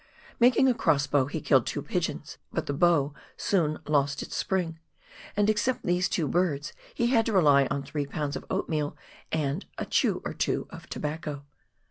Making a cross bow, he killed two pigeons, but the bow soon " lost its spring," and except these two birds, he had to rely on three pounds of oatmeal and " a chew or two of tobacco."